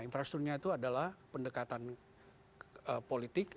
infrastrukturnya itu adalah pendekatan politik